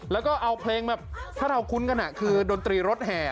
แล้วก็เอาเพลงแบบถ้าเราคุ้นกันคือดนตรีรถแห่